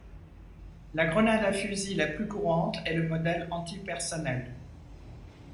La grenade à fusil la plus courante est le modèle antipersonnel.